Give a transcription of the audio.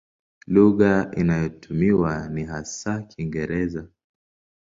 Lugha inayotumiwa ni hasa Kiingereza.